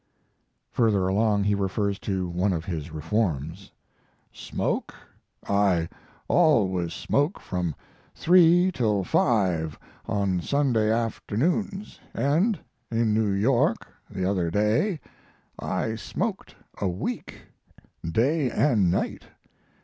Further along he refers to one of his reforms: Smoke? I always smoke from three till five on Sunday afternoons, and in New York, the other day, I smoked a week, day and night.